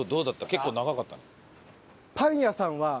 結構長かったね。